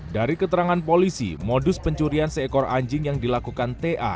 dari keterangan polisi modus pencurian seekor anjing yang dilakukan ta